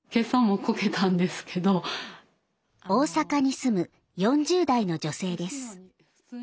大阪に住む４０代の女性です。